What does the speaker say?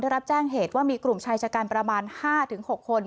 รับแจ้งเหตุว่ามีกลุ่มชายชะกันประมาณ๕๖คน